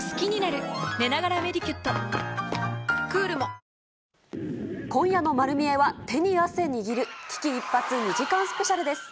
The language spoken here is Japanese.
アサヒの緑茶「颯」今夜のまる見え！は、手に汗握る、危機一髪２時間スペシャルです。